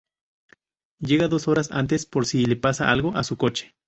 Llega dos horas antes por si le pasa algo a su coche.